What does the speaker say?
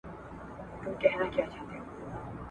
نه را ګرځي بیا د اوسپني په ملو ..